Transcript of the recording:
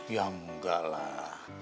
ya enggak lah